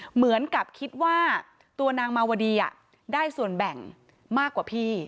เหมือนกับคิดว่าตัวนางมาวดีได้ส่วนแบ่งมากกว่าพี่